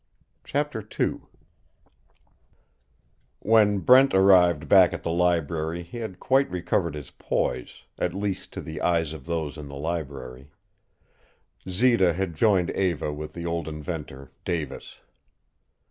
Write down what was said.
CHAPTER II When Brent arrived back at the library he had quite recovered his poise, at least to the eyes of those in the library. Zita had joined Eva with the old inventor, Davis.